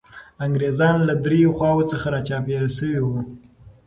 انګریزان له دریو خواوو څخه را چاپېر سوي وو.